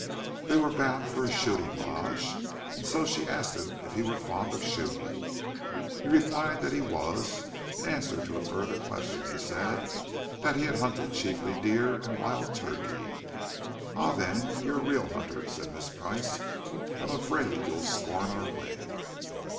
They were bound for a shooting lodge, and so she asked him if he were fond of shooting. He replied that he was; in answer to a further question he said that he had hunted chiefly deer and wild turkey. "Ah, then you are a real hunter!" said Miss Price. "I'm afraid you'll scorn our way."